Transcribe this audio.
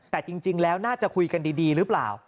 แต่จริงแล้วน่าจะคุยกันดีหรือเปล่า